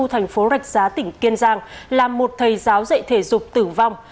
thành phố rạch giá tỉnh kiên giang làm một thầy giáo dạy thể dục tử vong